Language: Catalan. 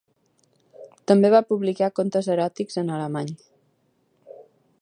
També va publicar contes eròtics en alemany.